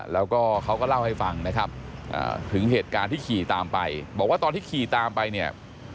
แล้วก็เขาก็เล่าให้ฟังนะครับถึงเหตุการณ์ที่ขี่ตามไปบอกว่าตอนที่ขี่ตามไปเนี่ย